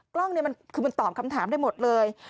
กล้องเนี่ยมันคือมันตอบคำถามได้หมดเลย